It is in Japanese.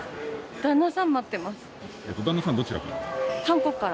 旦那さん、どちらから？